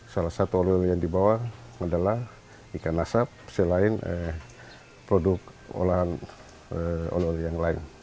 salah satu olahraga yang dibawa adalah ikan asap selain produk olahan olahraga yang lain